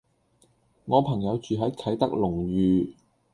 我朋友住喺啟德龍譽